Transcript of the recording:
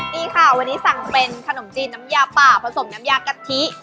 นี่ค่ะวันนี้สั่งเป็นขนมจีนน้ำยาป่าผสมน้ำยากะทิ